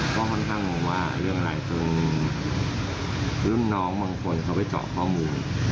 ก็ค่อนข้างงงว่าเรื่องอะไรจนรุ่นน้องบางคนเขาไปเจาะข้อมูล